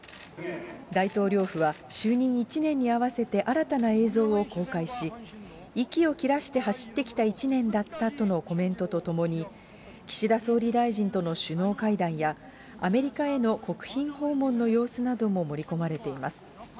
大統領府は就任１年に合わせて新たな映像を公開し、息を切らして走ってきた１年だったとのコメントとともに、岸田総理大臣との首脳会談や、アメリカへの国賓訪問の様子なども盛り込まれています。